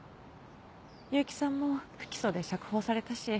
結城さんも不起訴で釈放されたし。